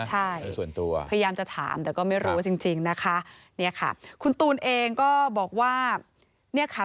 ใช่พยายามจะถามแต่ก็ไม่รู้จริงนะคะคุณตูนเองก็บอกว่า